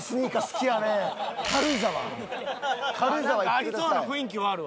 なんかありそうな雰囲気はあるわ。